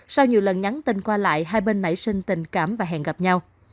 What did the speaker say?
sau nhiều lần nhắn tin qua lại hai bên nảy sinh tình cảm và hẹn gặp nhau